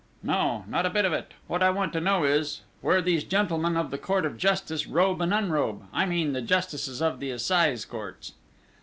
"No! Not a bit of it! What I want to know is, where these gentlemen of the Court of Justice robe and unrobe? I mean the Justices of the Assize Courts!"